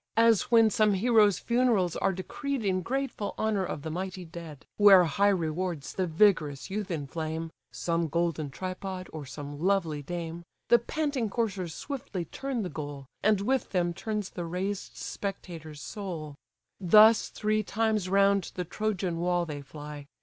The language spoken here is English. As when some hero's funerals are decreed In grateful honour of the mighty dead; Where high rewards the vigorous youth inflame (Some golden tripod, or some lovely dame) The panting coursers swiftly turn the goal, And with them turns the raised spectator's soul: Thus three times round the Trojan wall they fly.